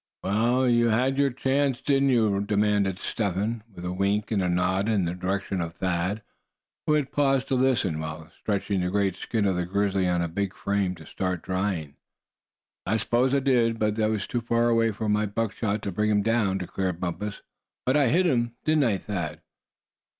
"Well, you had your chance, didn't you?" demanded Step Hen, with a wink and a nod in the direction of Thad, who had paused to listen, while stretching the great skin of the grizzly on a big frame, to start drying. "I s'pose I did; but he was too far away for my buckshot to bring him down," declared Bumpus; "but I hit him, didn't I, Thad?"